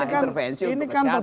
intervensi untuk kesehatan